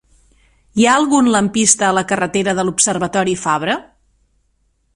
Hi ha algun lampista a la carretera de l'Observatori Fabra?